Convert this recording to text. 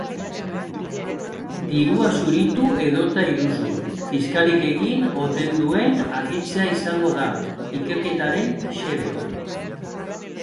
Dirua zuritu edota iruzur fiskalik egin oten duen argitzea izango da ikerketaren xedea.